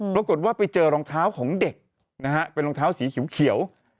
ปรากฏว่าไปเจอรองเท้าของเด็กนะฮะเป็นรองเท้าสีเขียว